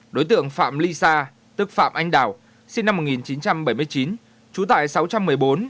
đối tượng phạm ly sa tức phạm anh đào sinh năm một nghìn chín trăm bảy mươi chín